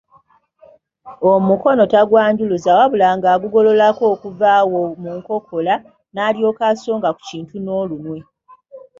Omukono tagwanjuluza wabula ng'agugololako kuva awo mu nkokola n'alyoka asonga ku kintu n'olunwe.